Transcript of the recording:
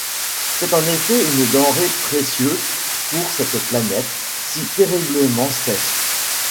C’est en effet une denrée précieuse sur cette planète si terriblement sèche.